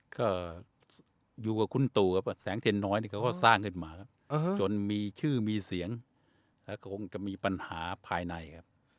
ก็อยู่กับคุณตู่ครับแสงเทียนน้อยนี่เขาก็สร้างขึ้นมาครับจนมีชื่อมีเสียงแล้วก็คงจะมีปัญหาภายในครับ